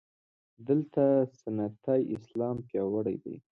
دلته سنتي اسلام پیاوړی دی.